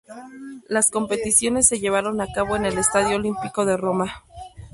Las competiciones se llevaron a cabo en el Estadio Olímpico de Roma.